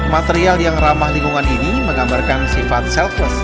material yang ramah lingkungan ini menggambarkan sifat selfles